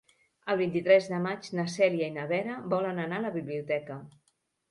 El vint-i-tres de maig na Cèlia i na Vera volen anar a la biblioteca.